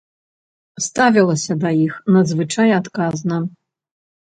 Ставілася да іх надзвычай адказна.